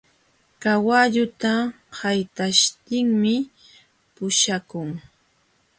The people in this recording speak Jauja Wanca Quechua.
Kawalluta haytaśhtinmi puśhakun.